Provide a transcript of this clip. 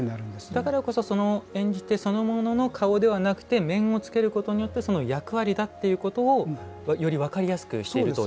だからこそ演じ手そのものの顔ではなくて面をつけることによってその役割だということをより分かりやすくしていると。